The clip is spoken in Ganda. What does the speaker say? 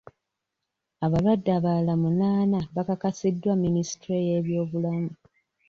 Abalwadde abalala munaana bakakasiddwa Minisitule y'ebyobulamu.